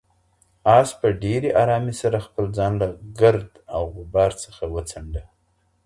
آس په ډېرې آرامۍ سره خپل ځان له ګرد او غبار څخه وڅنډه.